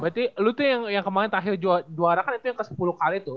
berarti lu tuh yang kemarin terakhir juara kan itu yang ke sepuluh kali tuh